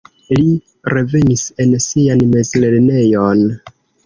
Li revenis en sian mezlernejon.